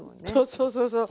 そうそうそう。